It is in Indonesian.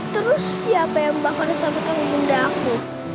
terus siapa yang bakal sapu tangan bunda aku